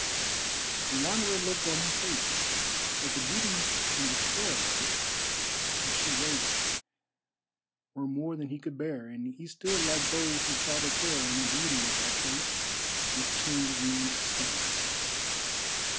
The Wanderer looked on her face, but the beauty and the terror of it, as she raised it, were more than he could bear, and he stood like those who saw the terror and the beauty of that face which changes men to stone.